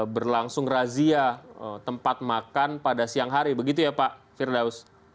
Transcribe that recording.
berlangsung razia tempat makan pada siang hari begitu ya pak firdaus